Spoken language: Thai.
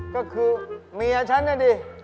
ก็คือเมียฉันน่ะดิ